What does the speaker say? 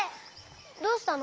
どうしたの？